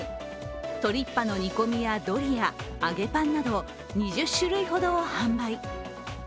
トリッパの煮込みや、ドリア、揚げぱんなど２０種類ほどを販売。